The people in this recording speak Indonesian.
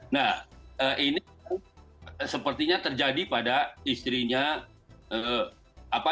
nah ini sepertinya terjadi pada istrinya